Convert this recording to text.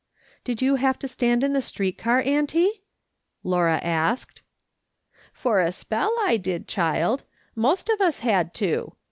" Did you have to stand in the street car, auntie ?" Laura asked. " For a spell, I did, child , most of us had to.